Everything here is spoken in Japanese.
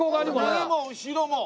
右も後ろも。